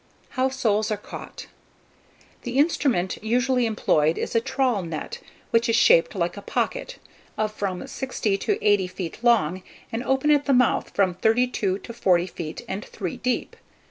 HOW SOLES ARE CAUGHT. The instrument usually employed is a trawl net, which is shaped like a pocket, of from sixty to eighty feet long, and open at the mouth from thirty two to forty feet, and three deep.